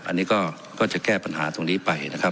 อันนี้ก็จะแก้ปัญหาตรงนี้ไปนะครับ